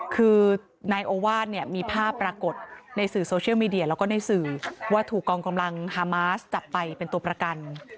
คือนายโอวาสเนี่ยมีภาพปรากฏในสื่อโซเชียลมีเดียแล้วก็ในสื่อว่าถูกกองกำลังฮามาสจับไปเป็นตัวประกัน